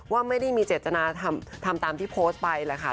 ว่าไม่ได้มีเจตนาทำตามที่โพสต์ไปแหละค่ะ